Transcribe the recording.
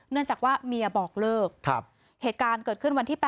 เนื่องจากว่าเมียบอกเลิกเหตุการณ์เกิดขึ้นวันที่๘